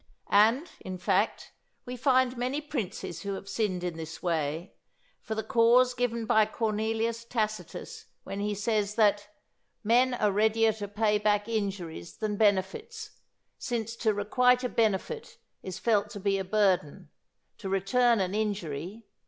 And, in fact, we find many princes who have sinned in this way, for the cause given by Cornelius Tacitus when he says, that "_men are readier to pay back injuries than benefits, since to requite a benefit is felt to be a burthen, to return an injury a gain_."